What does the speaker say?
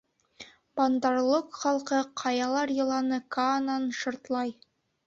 Бандар-лог халҡы ҡаялар йыланы Каанан шыртлай.